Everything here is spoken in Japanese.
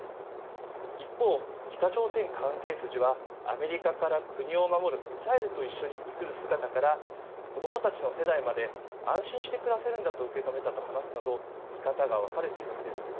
一方、北朝鮮関係筋はアメリカから国を守るミサイルと一緒に映る姿から子どもたちの世代まで安心して暮らせるんだと受け止めたと話すなど見方が分かれているんです。